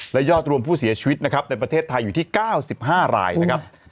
และยอดรวมผู้เสียชีวิตนะครับในประเทศไทยอยู่ที่๙๕รายนะครับ